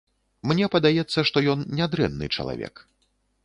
Мне падаецца, што ён нядрэнны чалавек.